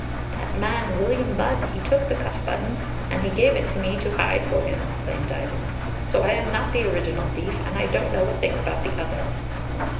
"That man William Budd, he took the cuff button, and he gave it to me to hide for him," claimed Ivan; "so I am not the original thief; and I don't know a thing about the others."